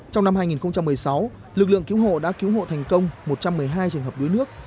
trong năm hai nghìn một mươi sáu lực lượng cứu hộ đã cứu hộ thành công một trăm một mươi hai trường hợp đuối nước